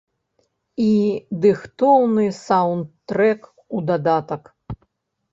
І дыхтоўны саўндтрэк у дадатак.